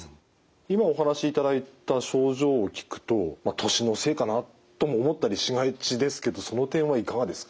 今お話しいただいた症状を聞くと年のせいかなとも思ったりしがちですけどその点はいかがですか？